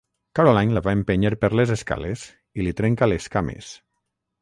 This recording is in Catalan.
Caroline la va empènyer per les escales i li trenca les cames.